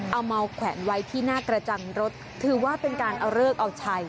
เอามาแขวนไว้ที่หน้ากระจังรถถือว่าเป็นการเอาเลิกเอาชัย